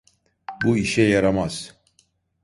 Bu işe yaramaz.